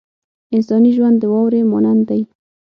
انساني ژوند د واورې مانند دی.